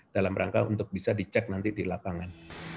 dalam rangka untuk bisa dicek nanti di lapangan